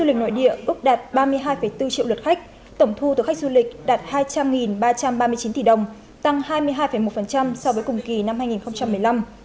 trong sáu tháng đầu năm hai nghìn một mươi sáu ngành du lịch việt nam đón hơn hai triệu lượt khách quốc tế tổng thu từ khách du lịch đạt hai trăm linh ba trăm ba mươi chín tỷ đồng tăng hai mươi hai một so với cùng kỳ năm hai nghìn một mươi năm